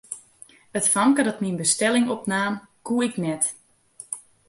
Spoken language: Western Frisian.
It famke dat myn bestelling opnaam, koe ik net.